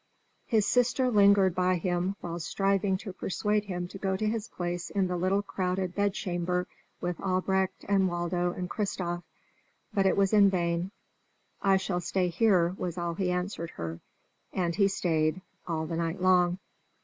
His sister lingered by him while striving to persuade him to go to his place in the little crowded bedchamber with Albrecht and Waldo and Christof. But it was in vain. "I shall stay here," was all he answered her. And he stayed all the night long.